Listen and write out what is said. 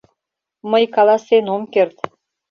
— Мый каласен ом керт...